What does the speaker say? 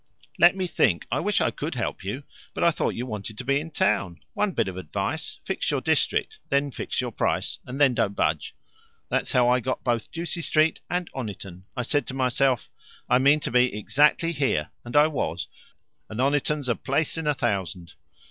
"Let me think. I wish I could help you. But I thought you wanted to be in town. One bit of advice: fix your district, then fix your price, and then don't budge. That's how I got both Ducie Street and Oniton. I said to myself, 'I mean to be exactly here,' and I was, and Oniton's a place in a thousand."